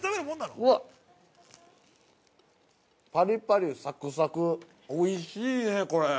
パリパリ、サクサクおいしいね、これ。